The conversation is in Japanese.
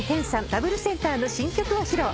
ダブルセンターの新曲を披露。